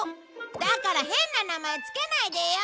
だから変な名前付けないでよ！